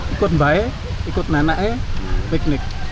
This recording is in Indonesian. ikut neneknya piknik